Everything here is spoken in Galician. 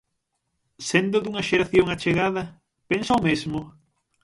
Sendo dunha xeración achegada, pensa o mesmo?